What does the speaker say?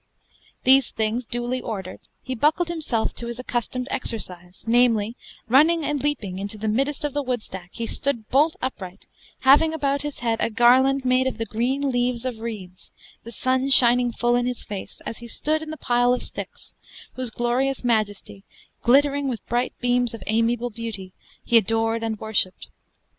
These things duely ordered, he buckled himselfe to his accustomed exercise, namely, running and leaping into the middest of the wodstack he stoode bolte upright, having about his head a garlande made of the greene leaves of reedes, the sunne shining full in his face, as he stoode in the pile of stycks, whose glorious majesty, glittering with bright beams of amiable beuty, he adored and worshipped.